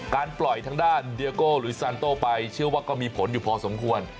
ปล่อยทางด้านเดียโก้หรือซานโต้ไปเชื่อว่าก็มีผลอยู่พอสมควร